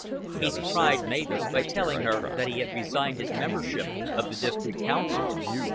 He surprised Mavis by telling her that he had resigned his membership of the District Council.